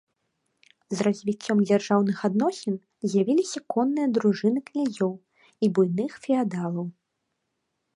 З развіццём дзяржаўных адносін з'явіліся конныя дружыны князёў і буйных феадалаў.